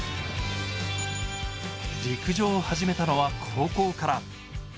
陸上を始めたのは高校から。